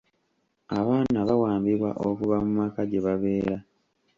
Abaana bawambibwa okuva mu maka gye babeera.